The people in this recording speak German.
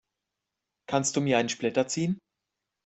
Kannst du mir einen Splitter ziehen?